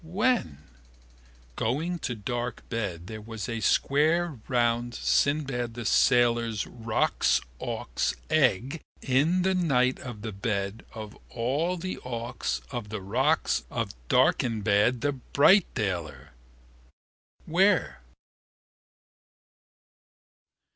When? Going to dark bed there was a square round Sinbad the Sailor roc's auk's egg in the night of the bed of all the auks of the rocs of Darkinbad the Brightdayler. Where?